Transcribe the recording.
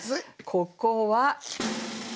ここは。